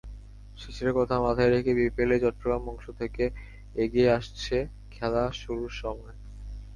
শিশিরের কথা মাথায় রেখেই বিপিএলের চট্টগ্রাম অংশ থেকে এগিয়ে আসছে খেলা শুরুর সময়।